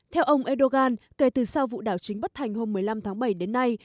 theo ông erdogan kể từ sau vụ đảo chính bất thành hôm một mươi năm tháng bảy đến nay